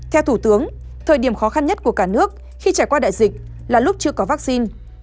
theo thủ tướng thời điểm khó khăn nhất của cả nước khi trải qua đại dịch là lúc chưa có vaccine